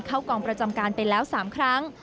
กองประจำการไปแล้ว๓ครั้ง